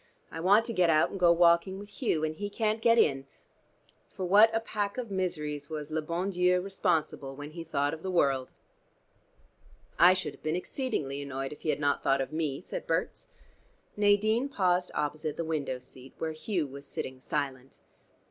I want to get out and go walking with Hugh. And he can't get in. For what a pack of miseries was le bon Dieu responsible when he thought of the world." "I should have been exceedingly annoyed if He had not thought of me," said Berts. Nadine paused opposite the window seat, where Hugh was sitting silent.